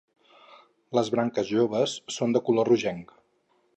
Les branques joves són de color rogenc.